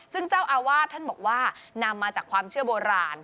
ซึ่งเจ้าอาวาสท่านบอกว่านำมาจากความเชื่อโบราณ